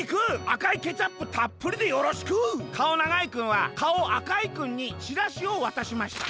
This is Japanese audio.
あかいケチャップたっぷりでよろしく！』かおながいくんはかおあかいくんにチラシをわたしました。